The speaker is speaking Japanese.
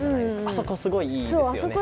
あそこすごいいいですよね。